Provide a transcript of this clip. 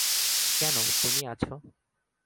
কেন, তুমি আছ।